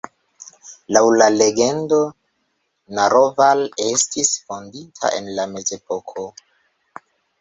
Laŭ la legendo Naroval estis fondita en la mezepoko.